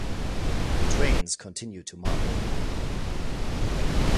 Trains continue to Marburg.